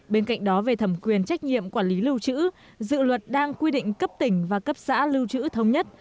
bên cạnh đó về thẩm quyền trách nhiệm quản lý lưu trữ dự luật đang quy định cấp tỉnh và cấp xã lưu trữ thống nhất